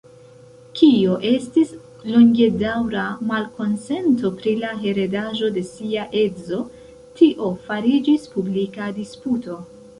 Kio estis longedaŭra malkonsento pri la heredaĵo de sia edzo, tio fariĝis publika disputo.